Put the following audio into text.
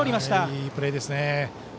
いいプレーですね。